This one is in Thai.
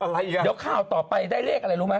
เดี๋ยวข่าวต่อไปได้เลขอะไรรู้ไหม